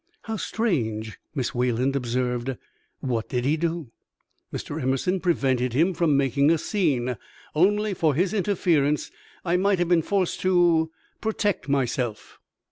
"How strange!" Miss Wayland observed. "What did he do?" "Mr. Emerson prevented him from making a scene. Only for his interference I might have been forced to protect myself."